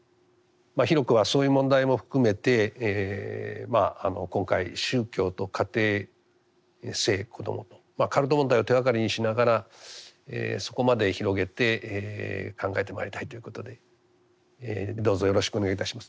広くはそういう問題も含めて今回宗教と家庭・性・子どもとカルト問題を手がかりにしながらそこまで広げて考えてまいりたいということでどうぞよろしくお願いいたします。